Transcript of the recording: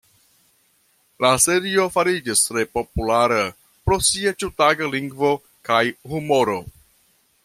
La serio fariĝis tre populara pro sia ĉiutaga lingvo kaj humoro.